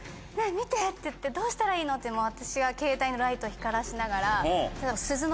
見てどうしたらいいの？って私がケータイのライト光らしながら。